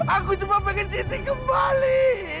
aku cuma ingin siti kembali